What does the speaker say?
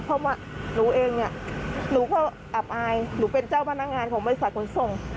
เพราะว่าหนูเองเนี่ยหนูก็อับอายหนูเป็นเจ้าพนักงานของบริษัทขนส่ง